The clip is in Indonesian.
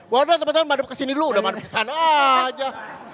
waduh teman teman mandep kesini dulu udah mandep kesana aja